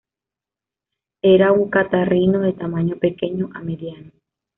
Era un catarrino de tamaño pequeño a mediano.